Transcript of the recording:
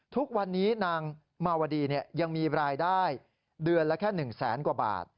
ทุกวันนี้นางมาวดียังมีรายได้เดือนละแค่๑แสนกว่าบาท